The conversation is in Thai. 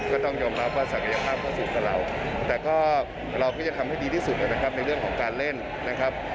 ก็ต้องยอมรับว่าศักยภาพเข้าสู่สเราแต่ก็เราก็จะทำให้ดีที่สุดนะครับในเรื่องของการเล่นนะครับ